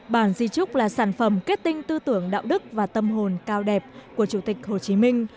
bản di trúc là sản phẩm kết tinh tư tưởng đạo đức và tâm hồn cao đẹp của chủ tịch hồ chí minh